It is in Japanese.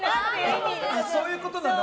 そういうことなの？